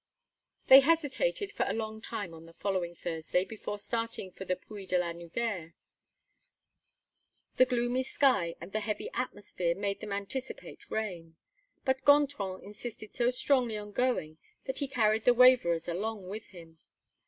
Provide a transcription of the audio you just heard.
They hesitated for a long time on the following Thursday before starting for the Puy de la Nugère. The gloomy sky and the heavy atmosphere made them anticipate rain. But Gontran insisted so strongly on going that he carried the waverers along with him.